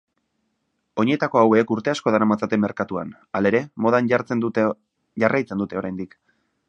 Oinetako hauek urte asko daramatzate merkatuan, halere, modan jarraitzen dute oraindik.